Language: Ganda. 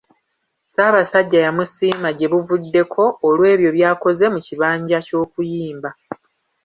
Ssaabasajja yamusiima gye buvuddeko olw’ebyo byakoze mu kibanja ky’okuyimba.